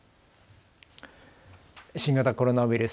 新型コロナウイルス。